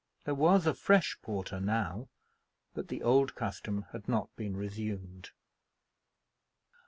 There was a fresh porter now, but the old custom had not been resumed.